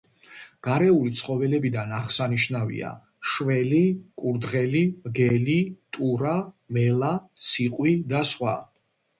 გარეული ცხოველებიდან აღსანიშნავია: შველი, კურდღელი, მგელი, ტურა, მელა, ციყვი და სხვა.